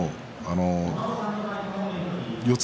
四つ